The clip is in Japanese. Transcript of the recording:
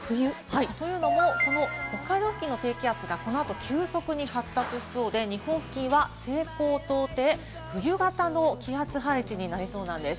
というのも、北海道付近にある低気圧がこの後、急速に発達しそうで、日本付近は西高東低の冬型の気圧配置になりそうなんです。